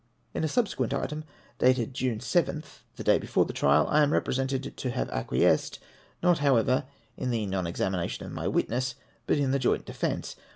In a subsequent item, dated June 7th, the day before the trial, I am represented to have acquiesced ; not, however, in the non examination of my witness, but in the Joint defence.